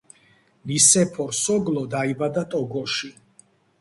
ნისეფორ სოგლო დაიბადა ტოგოში.